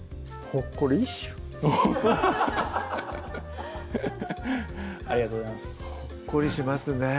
ほっこりしますね